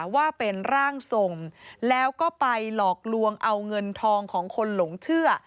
ว่าเป็นร่างทรงแล้วก็ไปหลอกลวงเอาเงินทองของคนหลงเชื่อ